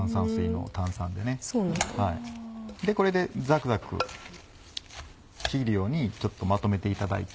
これでザクザク切るようにちょっとまとめていただいて。